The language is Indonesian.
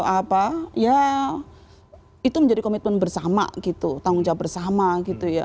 apa ya itu menjadi komitmen bersama gitu tanggung jawab bersama gitu ya